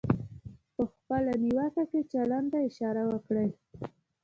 په خپله نیوکه کې چلند ته اشاره وکړئ.